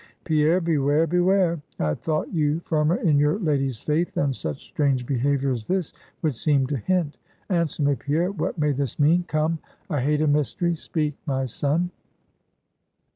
Pierre, beware, beware! I had thought you firmer in your lady's faith, than such strange behavior as this would seem to hint. Answer me, Pierre, what may this mean? Come, I hate a mystery; speak, my son."